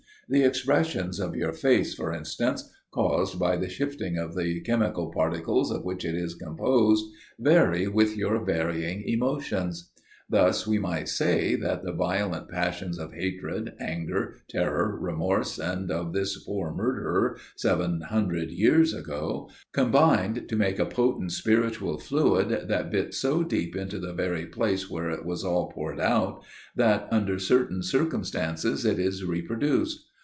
The expressions of your face, for instance, caused by the shifting of the chemical particles of which it is composed, vary with your varying emotions. Thus we might say that the violent passions of hatred, anger, terror, remorse, of this poor murderer, seven hundred years ago, combined to make a potent spiritual fluid that bit so deep into the very place where it was all poured out, that under certain circumstances it is reproduced.